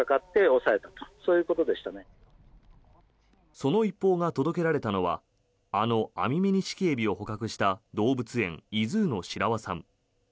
その一報が届けられたのはあのアミメニシキヘビを捕獲した動物園ｉＺｏｏの白輪さん。